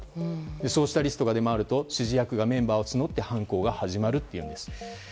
そうしたリストが出回ると指示役がメンバーを募って犯行が始まるというんです。